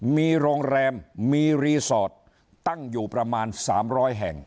มีโรงแรมมีรีสอร์ทตั้งอยู่ประมาณ๓๐๐แห่ง